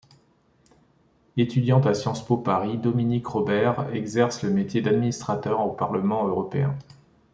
Étudiante à Sciences Po Paris, Dominique Robert exerce le métier d'administrateur au parlement européen.